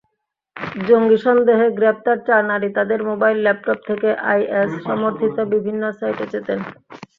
জঙ্গি সন্দেহে গ্রেপ্তার চার নারী তাঁদের মোবাইল, ল্যাপটপ থেকে আইএস-সমর্থিত বিভিন্ন সাইটে যেতেন।